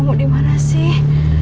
lo mau dimana sih